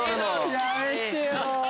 やめてよ。